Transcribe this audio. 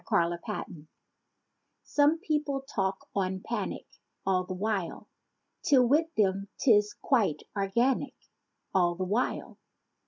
ALL THE WHILE Some people talk on panic— All the while, 'Till with them 'tis quite organic. All the while.